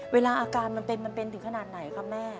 เวลาอาการมันเป็นมันเป็นถึงขนาดไหนครับแม่